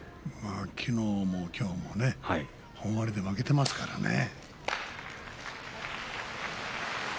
きのうもきょうも本割で負けていますからね。